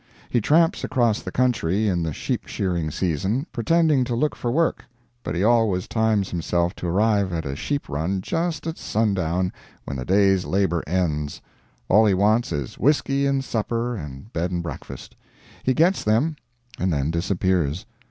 He tramps across the country in the sheep shearing season, pretending to look for work; but he always times himself to arrive at a sheep run just at sundown, when the day's labor ends; all he wants is whisky and supper and bed and breakfast; he gets them and then disappears.